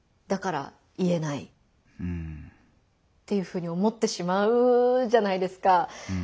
だから言えないっていうふうに思ってしまうじゃないですか。